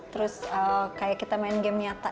terus kayak kita main game nyata